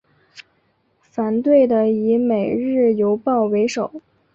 反对的以每日邮报为首。